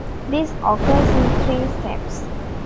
This occurs in three steps.